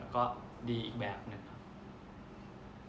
ก็ดีอีกแบบหนึ่งครับ